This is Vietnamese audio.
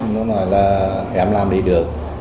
nó nói là em làm đi được